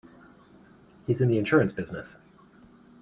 He's in the insurance business.